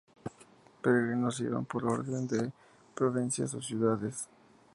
Los peregrinos iban por orden de provincias o ciudades.